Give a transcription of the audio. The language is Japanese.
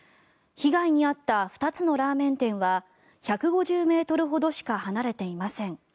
被害に遭った２つのラーメン店は１５０ｍほどしか離れていません。